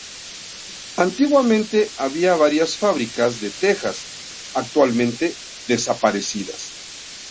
Antiguamente había varias fábricas de tejas, actualmente desaparecidas.